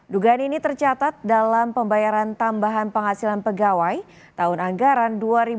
dugaan ini tercatat dalam pembayaran tambahan penghasilan pegawai tahun anggaran dua ribu sembilan belas dua ribu dua puluh dua